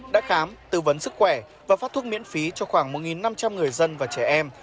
đã khám tư vấn sức khỏe và phát thuốc miễn phí cho khoảng một năm trăm linh người dân và trẻ em